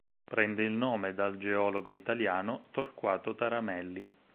Prende il nome dal geologo italiano Torquato Taramelli.